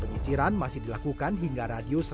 penyisiran masih dilakukan hingga radius lima puluh meter